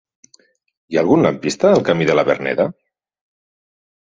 Hi ha algun lampista al camí de la Verneda?